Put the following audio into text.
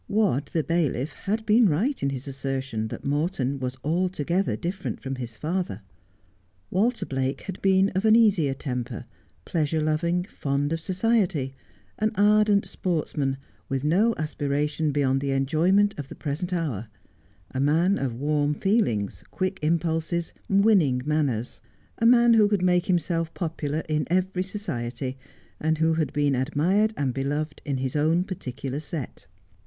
Wadd, the bailiff, had been right in his assertion that Morton was altogether different from his father. Walter Blake had been of an easier temper, pleasure loving, fond of society, an ardent sportsman, with no aspiration beyond the enjoyment of the present hour ; a man of warm feelings, quick impulses, winning manners ; a man who could make himself popular in every society, and who had been admired and beloved in his own par ticular set.